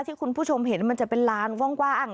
ที่คุณผู้ชมเห็นมันจะเป็นลานกว้าง